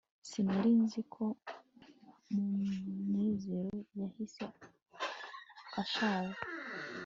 sinari nzi ko munezero yari ashaje